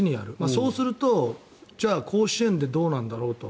そうするとじゃあ、甲子園でどうなんだろうと。